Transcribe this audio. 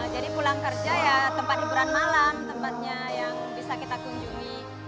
jadi pulang kerja ya tempat hiburan malam tempatnya yang bisa kita kunjungi